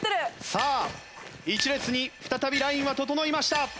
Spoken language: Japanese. さあ一列に再びラインは整いました。